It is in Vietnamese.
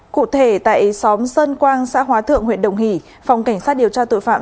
cụ thể tại xóm sơn quang xã hóa thượng huyện đồng hỷ phòng cảnh sát điều tra tội phạm